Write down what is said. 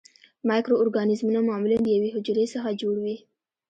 مایکرو ارګانیزمونه معمولاً د یوې حجرې څخه جوړ وي.